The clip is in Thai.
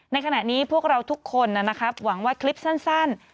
ในขณะนี้พวกเราทุกคนนะครับหวังว่าคลิปสั้น